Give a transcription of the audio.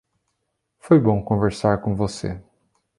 Foi bom conversar com você.